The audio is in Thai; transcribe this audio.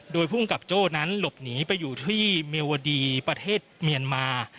โดยภูมิกับโจ้นั้นหลบหนีไปอยู่ที่เมวดีประเทศเมียนมา